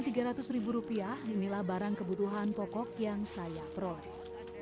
dengan dana rp tiga ratus inilah barang kebutuhan pokok yang saya peroleh